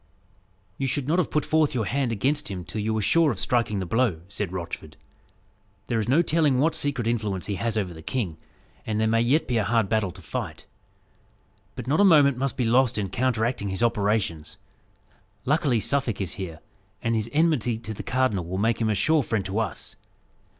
"You should not have put forth your hand against him till you were sure of striking the blow," said Rochford. "There is no telling what secret influence he has over the king; and there may yet be a hard battle to fight. But not a moment must be lost in counteracting his operations. Luckily, Suffolk is here, and his enmity to the cardinal will make him a sure friend to us.